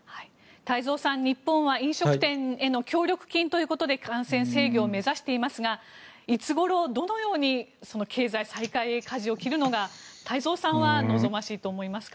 太蔵さん、日本は飲食店への協力金ということで感染制御を目指していますがいつごろ、どのように経済再開へかじを切るのが太蔵さんは望ましいと思いますか？